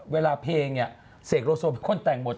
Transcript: เวลาเพลงเศรษฐโรโซคนแต่งหมด